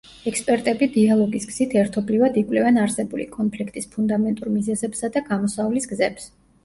ექსპერტები დიალოგის გზით ერთობლივად იკვლევენ არსებული კონფლიქტის ფუნდამენტურ მიზეზებსა და გამოსავლის გზებს.